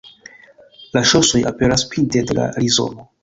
La ŝosoj aperas pinte de la rizomo.